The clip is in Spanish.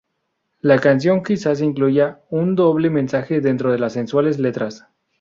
La canción quizás incluya un doble mensaje dentro de las sensuales letras.